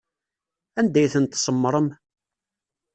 Anda ay tent-tsemmṛem?